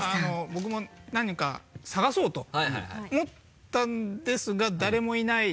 僕も何人か探そうと思ったんですが誰もいない。